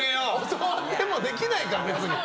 教わってもできないから、別に。